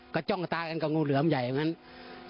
ก็จ้องตากันกับงูเหลือมใหญ่อย่างนั้น